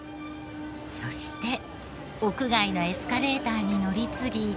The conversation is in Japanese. そして屋外のエスカレーターに乗り継ぎ。